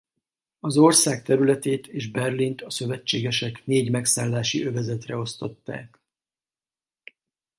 Az ország területét és Berlint a szövetségesek négy megszállási övezetre osztották.